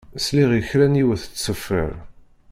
Sliɣ i kra n yiwet tettṣeffiṛ.